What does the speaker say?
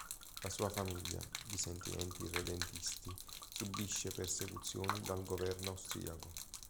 La sua famiglia, di sentimenti irredentisti, subisce persecuzioni dal governo austriaco.